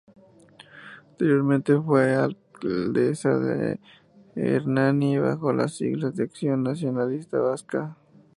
Anteriormente fue alcaldesa de Hernani bajo las siglas de Acción Nacionalista Vasca.